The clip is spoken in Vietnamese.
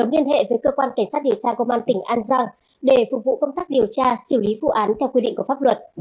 liên hệ với cơ quan cảnh sát điều tra công an tỉnh an giang để phục vụ công tác điều tra xử lý vụ án theo quy định của pháp luật